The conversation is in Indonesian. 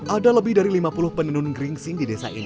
ada lebih dari lima puluh penenun geringsing di desa ini